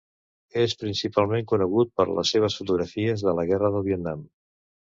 És principalment conegut per les seves fotografies de la guerra del Vietnam.